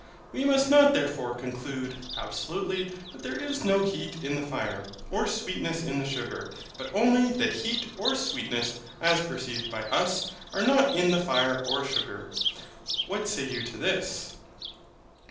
We must not therefore conclude absolutely, that there is no heat in the fire, or sweetness in the sugar, but only that heat or sweetness, as perceived by us, are not in the fire or sugar. What say you to this?